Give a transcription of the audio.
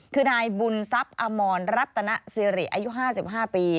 คือนายบุญทรัพย์อมรรัตนสิริอายุ๕๕ปี